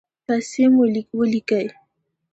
پیسې مو ولیکئ